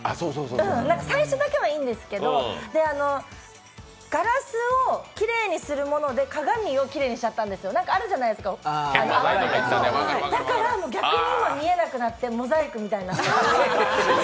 最初だけはいいんですけど、ガラスをきれいにするもので鏡をきれいにしちゃったんですよ、何かあるじゃないですか、だから逆に今、見えなくなってモザイクみたいな。